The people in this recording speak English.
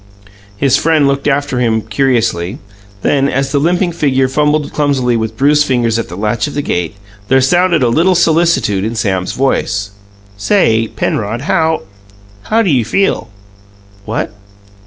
His friend looked after him curiously then, as the limping figure fumbled clumsily with bruised fingers at the latch of the gate, there sounded a little solicitude in Sam's voice. "Say, Penrod, how how do you feel?" "What?"